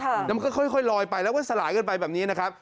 แล้วมันก็ค่อยลอยไปแล้วก็สลายกันไปแบบนี้นะครับ